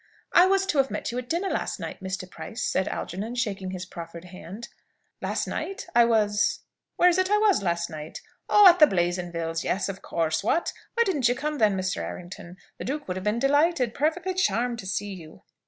"I was to have met you at dinner, last night, Mr. Price," said Algernon, shaking his proffered hand. "Last night? I was where is it I was last night? Oh, at the Blazonvilles! Yes, of course, what? Why didn't you come, then, Mr. Errington? The Duke would have been delighted perfectly charmed to see you!"